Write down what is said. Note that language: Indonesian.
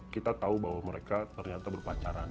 kita tahu bahwa mereka ternyata berpacaran